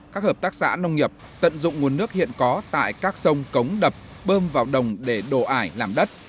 các hợp tác xã nông nghiệp tận dụng nguồn nước hiện có tại các sông cống đập bơm vào đồng để đổ ải làm đất